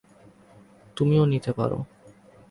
তুমিও নিতে পারো।